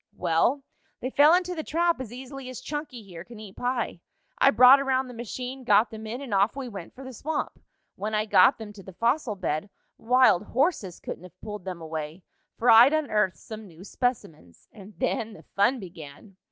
"Well, they fell into the trap as easily as Chunky here can eat pie. I brought around the machine, got them in and off we went for the swamp. When I got them to the fossil bed, wild horses couldn't have pulled them away, for I'd unearthed some new specimens. And then the fun began.